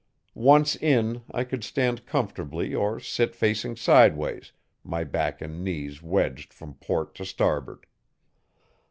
Once in, I could stand comfortably or sit facing sideways, my back and knees wedged from port to starboard.